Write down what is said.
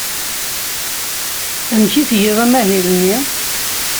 Amek i tgiḍ amahil-nni?